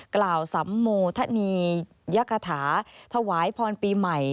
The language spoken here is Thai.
กล่าวสัมโมธนียคาถาถวายพรปีใหม่